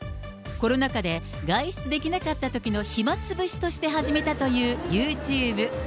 コロナ禍で外出できなかったときの暇つぶしとして始めたというユーチューブ。